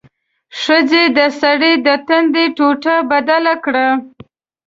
ښځې د سړي د تندي ټوټه بدله کړه.